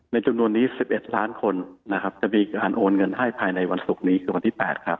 จำนวนนี้๑๑ล้านคนนะครับจะมีการโอนเงินให้ภายในวันศุกร์นี้คือวันที่๘ครับ